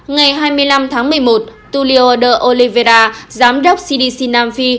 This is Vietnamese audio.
ngày hai mươi năm một mươi một tulio de oliveira giám đốc cdc nam phi